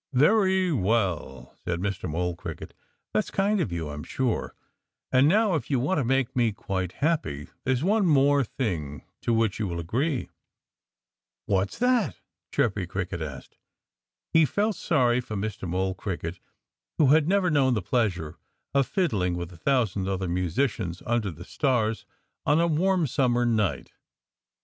"Very well!" said Mr. Mole Cricket. "That's kind of you, I'm sure. And now, if you want to make me quite happy, there's one more thing to which you will agree." "What's that?" Chirpy Cricket asked. He felt sorry for Mr. Mole Cricket, who had never known the pleasure of fiddling with a thousand other musicians under the stars on a warm summer night.